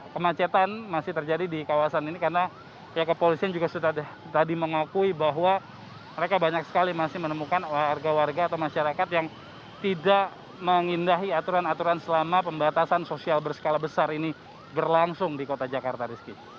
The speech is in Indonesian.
kemacetan masih terjadi di kawasan ini karena pihak kepolisian juga sudah tadi mengakui bahwa mereka banyak sekali masih menemukan warga warga atau masyarakat yang tidak mengindahi aturan aturan selama pembatasan sosial berskala besar ini berlangsung di kota jakarta rizky